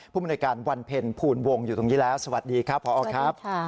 บริการวันเพ็ญภูลวงอยู่ตรงนี้แล้วสวัสดีครับพอครับ